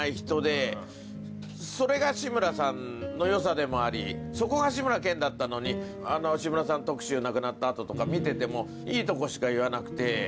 でもありそこが志村けんだったのに志村さん特集亡くなった後とか見ててもいいとこしか言わなくて。